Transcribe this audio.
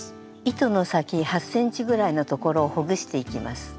糸の先８ｃｍぐらいのところをほぐしていきます。